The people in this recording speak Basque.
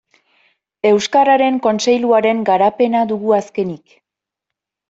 Euskararen Kontseiluaren garapena dugu azkenik.